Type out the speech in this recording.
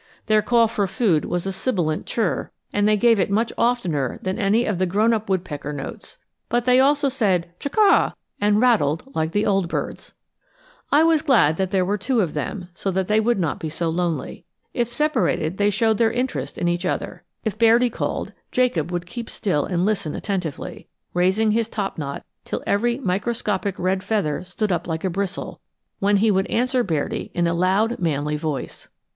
Their call for food was a sibilant chirr, and they gave it much oftener than any of the grown up woodpecker notes. But they also said chuck' ah and rattled like the old birds. I was glad there were two of them so they would not be so lonely. If separated they showed their interest in each other. If Bairdi called, Jacob would keep still and listen attentively, raising his topknot till every microscopic red feather stood up like a bristle, when he would answer Bairdi in a loud manly voice.